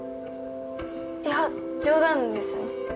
いや冗談ですよね？